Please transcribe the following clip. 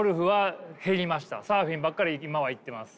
サーフィンばっかり今は行ってます。